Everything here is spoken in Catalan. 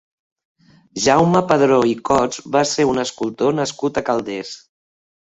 Jaume Padró i Cots va ser un escultor nascut a Calders.